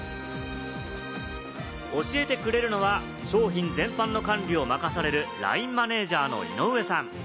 教えてくれるのは、商品全般の管理を任される、ラインマネージャーの井上さん。